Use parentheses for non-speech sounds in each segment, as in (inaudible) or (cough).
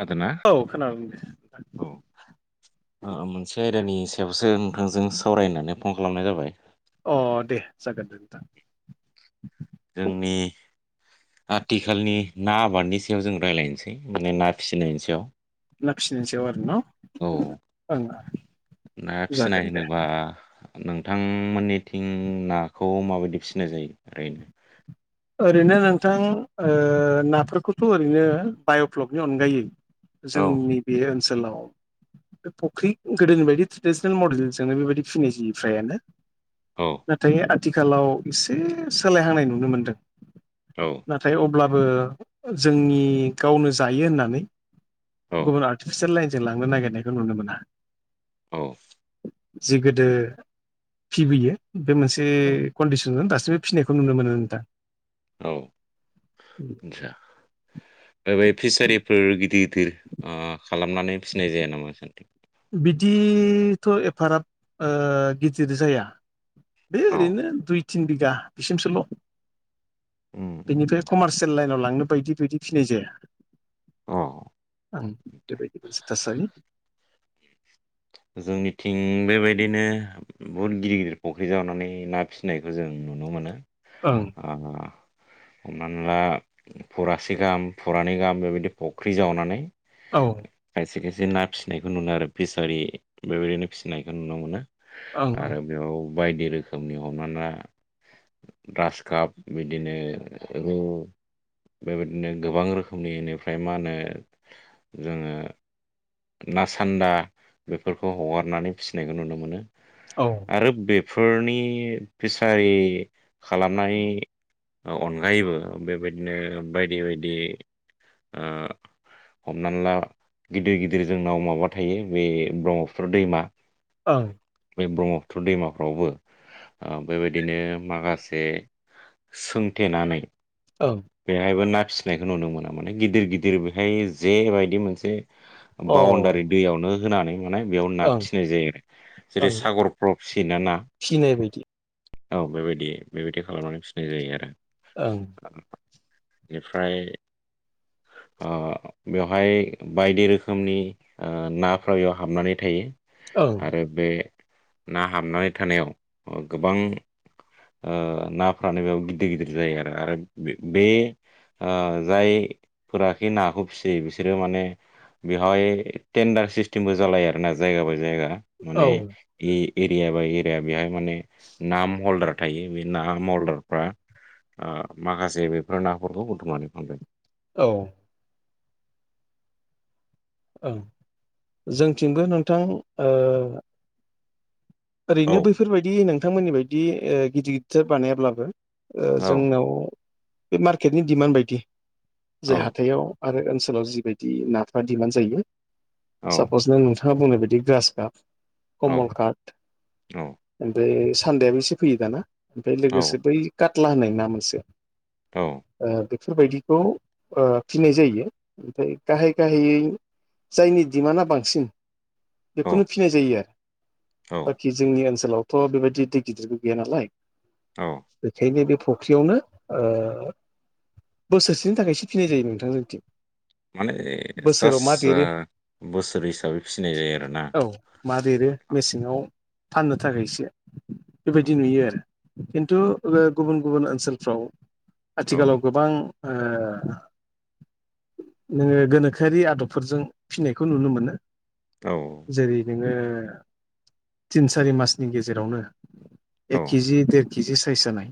खोनादोंना खोनाबाय औ माने मोनसे आयदानि सायावसो नोंथांजों सावरायनानै फन खालामनाय जाबाय अ दे जागोन दे नोंथां जोंनि आथिखालनि ना आबादनि सायाव जों रायज्लायनोसै माने ना फिसिनायनि सायाव ना फिसिनायनि सायाव आरोना औ ना फिसिनाय जागोन दे होनोबा नोंथांमोननिथिं नाखौ माबायदि फिसिनाय जायो ओरैनो ओरैनो नोंथां ओ नाफोरखौथ' ओरैनो बाय'फ्लकनि अनगायै औ जोंनि बे ओनसोलाव बे फख्रि गोदोनि बायदि ट्रेडिसनेल मडेलजोंनो बेबायदि फिनाय जायो फ्रायानो औ नाथाय आथिखालाव एसे सोलायहांनाय नुनो मोनदों औ नाथाय अब्लाबो जोंनि गावनो जायो होननानै औ गुबुन आर्टिफिसियेल लाइनजों लांनो नागिरनायखौ नुनो मोना। औ जि गोदो फिबोयो बे मोनसे कन्दिसनजों दासि- सिमबो फिनायखौ नुनो मोनो नोंथां औ आदसा दा बै फिसारिफोर गिदिर गिदिर ओ खालामनानै फिसिनाय जाया नामा नोंसानिथिं बिदिथ' एफाराब ओ गिदिर जाया बे औ ओरैनो दुइ तिन बिगा बिसिमसोल' उम उम बेनिफ्राय कमार्सियेल लाइनाव लांनो बायदि बायदि फिनाय जाया ओं अ बेबायदि मोनसे थासारि जोंनिथिं बेबायदिनो बुहुद गिदिर गिदिर फख्रि जावानानै ना फिसिनायखौ जों नुनो मोनो ओं ओ हमनानै ला फुरासे गाहाम फुरानै गाहाम बेबायदि फख्रि जावनानै औ खायसे खायसे ना फिसिनायखौ नुनो आरो फिसारि बेबायदिनो फिसिनायखौ नुनो मोनो ओं आरो बेयाव बायदि रोखोमनि हमनानै ला ग्रासकाप बिदिनो रौ बेबायदिनो गोबां रोखोमनि इनिफ्राय मा होनो जोङो नासान्दा बेफोरखौ हगारनानै फिसिनायखौ नुनो मोनो ओं आरो बे‌ फोरनि फिसारि खालामनाय औ अनगायैबो बेबायदिनो बायदि बायदि ओ हमनानै ला गिदिर गिदिर जोंनाव माबा थायो बे ब्रह्मपुत्र दैमा ओं बे ब्रह्मपुत्र दैमाफ्रावबो ओ बेबायदिनो माखासे सोंथेनानै बेहायबो ना फिसिनायखौ नुनो मोनो माने गिदिर गिदिर बेहाय जेबायदि मोनसे बाउनडारि ओं दैयावनो होनानै माने बेयाव ना अ ओं फिसिनाय जायो आरो जेरै ओं सागरफ्राव फिसियोना ना फिनाय बायदि औ बेबायदि बेबायदि खालामनानै फिसिनाय जायो आरो ओं ओ बेनिफ्राय ओ बेवहाय बायदि रोखोमनि ओ नाफ्रा बेयाव हाबनानै थायो ओं आरो बे ना हाबनानै थानायाव ओ गोबां ओ नाफ्रानो बेयाव गिदिर गिदिर जायो आरो आरो बे ओ जायफोराखि नाखौ फिसियो बिसोरो माने बेवहाय टेन्डार सिस्टेमबो जालायो आरोना जायगा बाय जायगा औ माने ए -एरिया बा एरिया बेहाय माने ना महल्दार थायो बे ना महलदारफ्रा ओ माखासे बेफोर नाफोरखौ बुथुमनानै फानदों औ ओं जोंथिंबो नोंथां ओ औ ओरैनो बैफोरबायदि नोंथांमोननि बायदि ओ गिदिर गिदिरथार बानायाब्लाबो ओ औ जोंनाव बे मार्केटनि डिमान्ड बायदि औ जाय हाथाइयाव आरो ओनसोलाव जिबायदि नाफ्रा डिमान्ड जायो औ सापसनो नोंथां नोंथाङा बुंनाय बायदि ग्रास कार्प औ कमल कार्प औ ओमफ्राय सान्दायाबो एसे फैयो दाना ओमफ्राय औ लोगोसे बै कातला होननाय ना मोनसे ओ औ बे बेफोरबायदिखौ ओ फिनाय जायो ओमफ्राय गाहाय गाहायै जायनि डिमान्डआ बांसिन बेखौनो औ फिनाय जायो आरो औ बाखि जोंनि ओनसोलावथ' बेबायदि दै गिदिरबो गैया नालाय औ बेखायनो बे फुख्रियावनो ओ बोसोरसेनि थाखायसो फिनाय जायो नोंथां जोंनिथिं माने जास्ट ओ बोसोर हिसाबै फिनाय जायो आरोना औ मा देरो मेसेङाव फाननो उम, थाखायसो औ बेबायदि नुयो आरो खिन्थु गुबुन गुबुन ओनसोलफ्राव औ आथिखालाव गोबां ओ नोङो गोनोखोआरि आदबफोरजों फिनायखौ नुनो मोनो औ जेरै नोङो तिन सारि मासनि गेजेरावनो औ एक केजि देर केजि साइस जानाय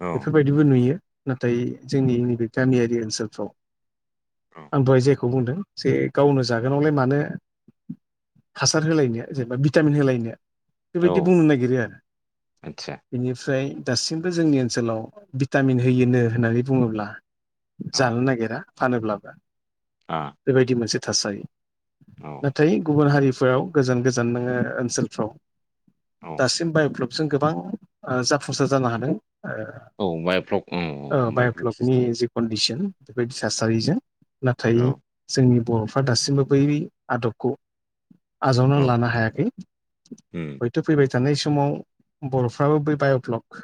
औ बेफोरबायदिबो नुयो नाथाय जोंनि नैबे गामियारि ओनसोलफ्राव औ आं दहाय जे बेखौ बुंदों जे गावनो जागोनावलाय मानो हासार होलायनो जेनेबा भिटामिन होलायनो औ बेबायदि बुंनो नागिरो आरो आतसा बेनिफ्राय दासिमबो जोंनि ओनसोलाव भिटामिन होयोनो होननानै बुङोब्ला औ जानो नागिरा फानोब्लाबो आ बेबायदि मोनसे थासारि औ नाथाय गुबुन हारि फोराव गोजान गोजान नोङो ओनसोलफ्राव औ दासिम बायफ जों गोबां ओ जाफुंसार जानो हादों औ बायफ्लक औ बायफ्लक बाय'फ्लकनि सिस्टेम जि कन्दिसन बेबायदि थासारिजों नाथाय औ जोंनि बर'फ्रा दासिमबो बै आदबखौ आजावना औ लानो हायाखै उम हयथ' फैबाय थानाय समाव बर'फ्राबो बै बाय'ब्लक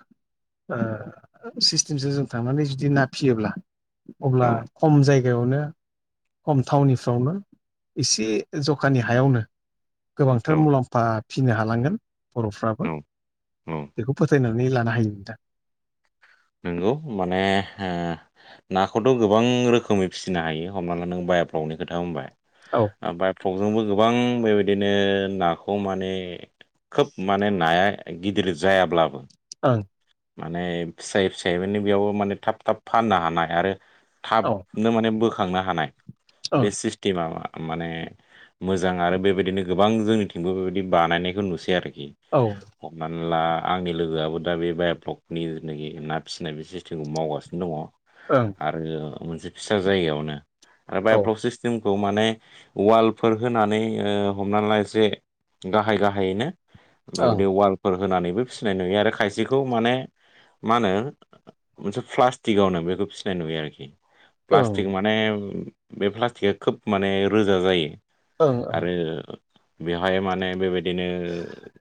ओ सिस्टेमसो जों थांनानै जुदि ना फिसियोब्ला अब्ला औ खम जायगा जायगायावनो खम थावनिफ्रावनो एसे जखानि हायावनो औ गोबांथार मुलाम्फा फिसिनो हालांगोन बर'फ्राबो औ औ बेखौ फोथाय नानै लानो हायो नोंथां नोंगौ माने ओ नाखौथ' गोबां रोखोमै फिसिनो हायो हमना ला नों बाय बायफ्लगनि खोथा बुंबाय औ ओ बाय'फ्लगजोंबो गोबां बेबायदिनो नाखौ माने खोब माने नाया गिदिर जायाब्लाबो ओं माने फिसायै फिसायै माने बेयावबो माने थाब थाब फाननो हानाय आरो औ थाबनो माने बोखांनो हानाय बे ओं सिस्टेमा मा माने मोजां आरो बेबायदिनो गोबां जोंनिथिंबो बेबायदि बानायनायखौ नुसै आरोखि औ हमनानै ला आंनि लोगोआबो दा बे बा ब्लकनि जेनाखि ना फिसिनाय बे सिस्टेमखौ मावगासिनो दङ ओं आरो मोनसे फिसा जायगायावनो आरो औ बायब्लक सिस्टेम खौ माने वालफोर होनानै ओ हमनानै ला एसे गाहाय गाहायैनो ओं बेबायदि वालफोर होनानैबो फिसिनाय नुयो आरो खायसेखौ माने मा होनो मोनसे प्लास्टिकआवनो बेखौ फिसिनाय नुयो आरोखि ओं प्लास्टिक माने बे प्लास्टिकआ खोब माने रोजा जायो ओं ओं आरो बेहाय माने बेबायदिनो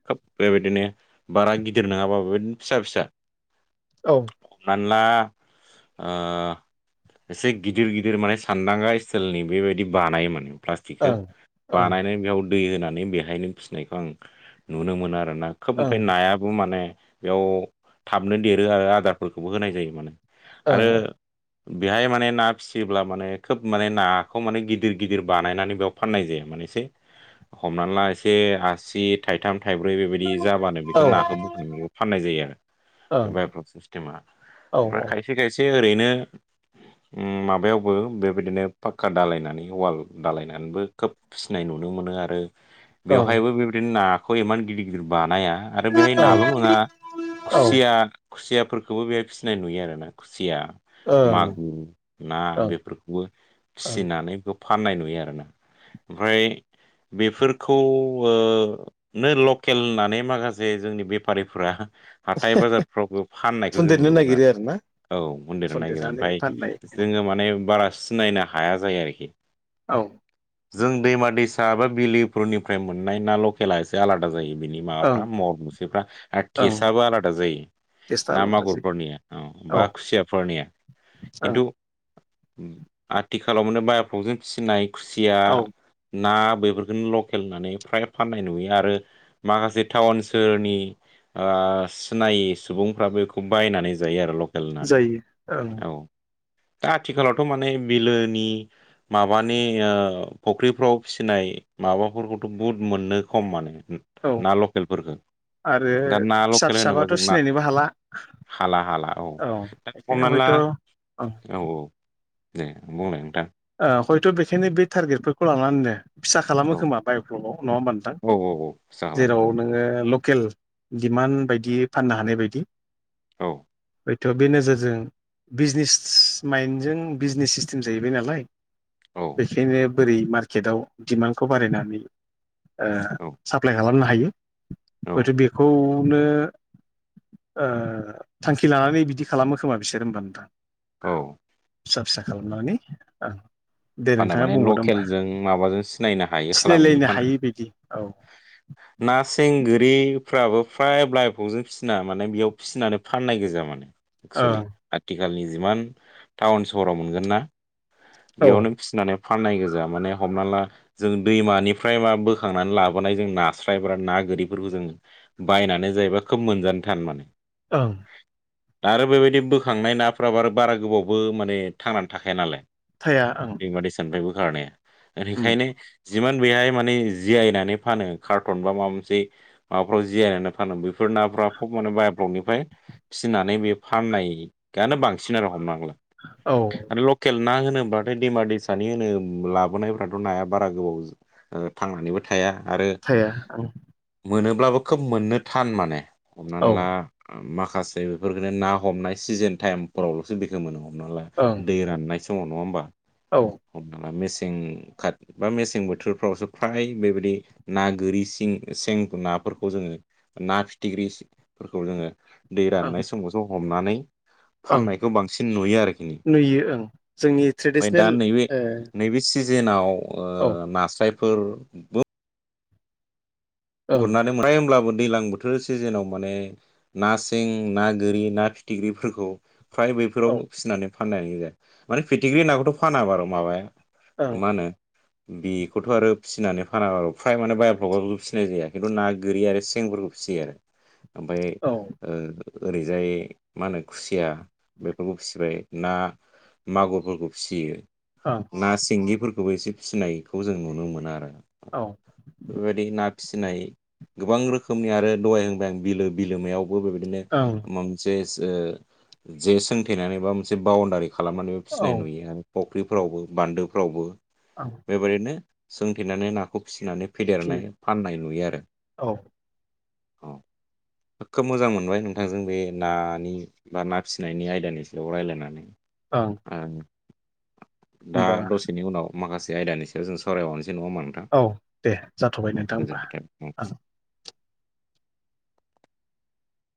खोब बेबायदिनो बारा गिदिर नङाबाबो फिसा फिसा औ (unintelligible) ओ एसे गिदिर गिदिर माने सानदांगा स्टाइलनि बेबायदि बानायोमोन प्लास्टिकखौ ओं ओं बानायनानै बेयाव दै होनानै बेहायनो फिसिनायखौ आं नुनो मोनो आरो ना खोब ओं ओमफ्राय नायाबो माने बेयाव थाबनो देरो आरो आदारफोरखौबो होनाय जायो माने आरो ओं बेहाय माने ना फिसियोब्ला माने खोब माने नाखौ माने गिदिर गिदिर बानायनानै बेयाव फाननाय जायो मोनसै हमनानै ला एसे आसि थाइथाम थाइब्रै बेबायदि जाबानो औ बेखौ नाखौ बोखांखौ फाननाय जायो आरो बे ओं बायक्लक सिस्टेमा औ औ ओमफ्राय ओं औ खायसे खायसे ओरैनो माबायावबो बेबायदिनो पाक्का दालायनानै वाल दालायनानैबो खोब सिनाय नु नुनो मोनो आरो बेवहायबो बेबायदिनो नाखौ इमान गिदिर गिदिर बानाया आरो बेहाय नाल' नङा औ खुसिया खुसियाफोरखौबो बेहाय फिसिनाय नुयो आरोना खुसिया ओं मागुर ना ओं बेफोरखौबो ओं फिसिनानै फाननाय नुयो आरोना ओमफ्राय बेफोरखौ नो लकेल होननानै माखासे जोंनि बेफारिफ्रा हाथाय बाजारफ्रावबो फाननायखौ जों फुनदेरनो नुनो मोनो नागिरो ना आरो औ मन्दिराव नायागिरो फुनदेरनानै ओमफ्राय फाननाय जोङो माने बारा सिनायनो हाया जायो आरोखि औ जों दैमा दैसा एबा बिलोफोरनिफ्राय मोननाय ना लकेला एसे आलादा जायो बिनि माबा ओं फ्रा महर मुसिफ्रा आरो ओं तेस आबो आलादा जायो टेस्टआ ना आलादासै मागुरफोरनिया औ बा खुसियाफोरनिया ओं खिन्थु आथिखालाव माने बायक्लकजों फिसिनाय खुसिया औ ना बेफोरखौनो लकेलनानै फ्रा फाननाय नुयो आरो माखासे टाउन सोहोरनि ओ सिनायि सुबुंफ्राबो बेखौ बायनानै जायो आरो लक जायो ओं (inaudible) दा आथिखालावथ' माने बिलोनि माबानि ओ फख्रिफ्राव फिनाय माबाफोरखौथ' बुहुद मोनो खम माने औ ना लकेलफोरखौ आरो दा ना फिसा लकेल होनोबा फिसाबाथ' जों ना सिनायनोबो हाला हाला हाला औ दा हम बेखायनो ला हयथ' ओं औ औ दे बुंलाय नोंथां ओ हयथ' बेखिनि बे टारगेटफोरखौ लानानैनो फिसा औ खालामो खोमा बायफलाव नङा होमबा नोंथां औ औ खुरसा जेराव खालामो नोङो। लक केल दिडिमान्ड बायदि फाननो हानाय बायदि औ हयथ' बे नोजोरजों बिजनेस माइन्जों बिजनेस सिस्टेम जाहैबाय नालाय औ बेखायनो बोरै मार्केटआव डिमान्डखौ बारायनानै ओ औ साप्लाइ खालामनो हायो औ हयथ' बेखौ नो थांखि लानानै बिदि खालामो खोमा बिसोर होमबा नोंथां औ फिसा फिसा खालामनानै ओं दे फाना नोंथाङा माने बुंबावदो होमबा लकेलजों माबाजों सिनायनो हायो खालामो सिनायलायनो फाना हायि बायदि औ ना सें गो (unintelligible) दैफ्राबो फ्राय बइफावजों फिसिना माने बेयाव फिसिनानै फाननाय गोजा माने एक्सुलि ओं आथिखालनि जिमान टाउन सहराव मोनगोन ना बेयावनो औ होननानै फाननाय गोजा माने हमना ला जों दैमानिफ्राय मा बोखांनानै लाबोनाय जों नास्रायब्रा ना गोरिफोरखौ जों बायनानै जायोबा खोब मोनजानो थान माने ओं दा आरो बेबायदि बोखांनाय नाफ्राबो आरो बारा गोबावबो माने थांनानै थाखाया नालाय थाया ओं दैमा दैसानिफ्राय बोखारनाया उम ओनिखायनो जिमान बेहाय माने जियायनानै फानो कार्टन बा माबा मोनसे माबाफ्राव जिरायनानै फानो बैफोर नाफ्रा फब माने बाय ब्लकनिफ्राय फिसिनानै बे फाननायानो बांसिन आरो हमनानै ला। औ आरो लकेल ना होनोब्ला ओमफ्राय दैमा दैसानि होनो लाबोनायफ्राथ' नाया बारा गोबाव ओ थांनानैबो थाया आरो थाया ओं मोनोब्लाबो खोब मोननो थान माने हमनान औ ला माखा- खासे बेफोरफोरखौनो ना हमनाय सिजोन टाइमफोरावल'सो बेखो मोनो हमनान ला ओं दै राननाय सम समाव नङा होमबा औ हमना ला मेसें खाद बा मेसें बोथोरफ्रावसो फ्राय बेबायदि ना गोरि सें सें नाफोरखौ जोङो ना फिथिख्रिफोरखौ जोङो दै ओं राननाय समावसो हमनानै ओं फाननायखौ बांसिन नुयो आरोखिनि नुयो ओं जोंनि फाय दा ट्रेडिसनेल नैबे ओ नैबे सिजोनाव ओ औ नास्रायफोर बो ओं गुरना (unintelligible) होमब्लाबो दैलां बोथोर सिजेनाव माने ना सें, ना गोरि, ना फिथिख्रिफोरखौ फ्राय बैफोराव औ फिसिनानै फाननायानो गोजा माने फिथिख्रि नाखौथ' फाना बारू माबाया ओं मा होनो बेखौथ' आरो फिसिनानै फाना बारु फ्राय माने बायफ्लबाव बेखौ फिसि- या खिन्थु ना गोरि आरो सेंफोरखौ फिसियो आरो ओमफाय औ ओं ओ ओरैजाय मा होनो खुसिया बेफोरखौ फिसिबाय ना मागुरफोरखौ फिसियो ना सिंगिफोरखौबो एसे फिसिनायखौ जों नुनो मोनो आरो औ बेबादि ना फिसिनाय गोबां रोखोमनि आरो दहाय होनबाय आं बिलो बिलोमायाव- बो बेबादिनो ओं माबा मोनसे जे सोंथेनानै बा मोनसे बउन्दारि खालामनानैबो औ फिसिनाय नुयो आरो फख्रिफ्रावबो बान्दोफ्रावबो ओं बेबायदिनो सोंथेनानै नाखौ फिसिनानै फिन फेदेरनाय फाननाय नुयो आरो औ औ खोब मोजां मोनबाय नोंथांजों बे नानि बा ना फिसिनायनि आयदानि सायाव रायलायनानै। ओं। आं दा होमबा दसेनि उनाव माखासे आयदानि सायाव जों सावराय बावनस औ दे जाथ'बाय नों गोजोननाय थाबाय औ।